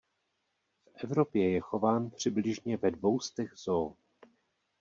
V Evropě je chován přibližně ve dvou stech zoo.